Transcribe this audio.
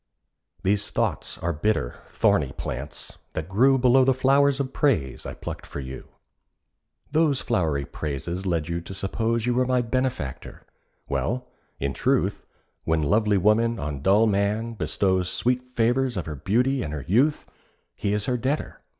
These thoughts are bitter—thorny plants, that grew Below the flowers of praise I plucked for you. Those flowery praises led you to suppose You were my benefactor. Well, in truth, When lovely woman on dull man bestows Sweet favours of her beauty and her youth, He is her debtor.